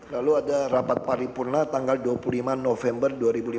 lalu ada rapat paripurna tanggal dua puluh lima november dua ribu lima belas